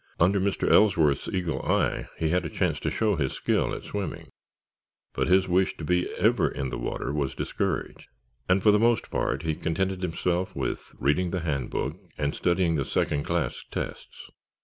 Under Mr. Ellsworth's eagle eye he had a chance to show his skill at swimming, but his wish to be ever in the water was discouraged and for the most part he contented himself with reading the Handbook and studying the second class tests.